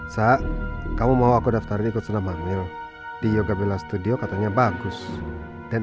sa kamu mau aku daftarin ikut senam hamil di yoga bella studio katanya bagus dan